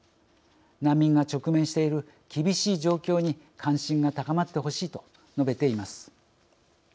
難民が直面している厳しい状況に関心が高まってほしい」と述べています。